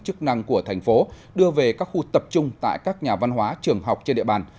chức năng của thành phố đưa về các khu tập trung tại các nhà văn hóa trường học trên địa bàn